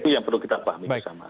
itu yang perlu kita pahami bersama